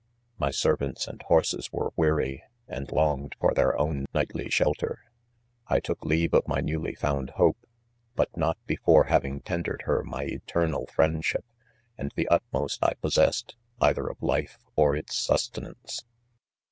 My servants and. horses were weary, end longed, for their own nightly shelter. 1 took leave of my newly found hope, but not before having tendered her my eternal friendship, and the utmost IpossesecL either of life or its sus tenance.